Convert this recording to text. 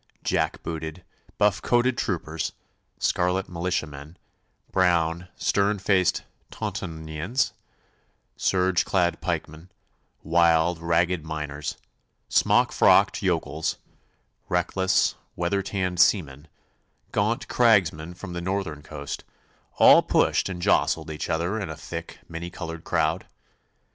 Jack booted, buff coated troopers; scarlet militiamen; brown, stern faced Tauntonians; serge clad pikemen; wild, ragged miners; smockfrocked yokels; reckless, weather tanned seamen; gaunt cragsmen from the northern coast all pushed and jostled each other in a thick, many coloured crowd.